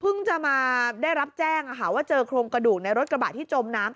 จะมาได้รับแจ้งว่าเจอโครงกระดูกในรถกระบะที่จมน้ำ